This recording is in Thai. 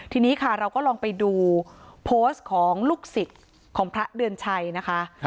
ทีนี้ค่ะเราก็ลองไปดูโพสต์ของลูกศิษย์ของพระเดือนชัยนะคะ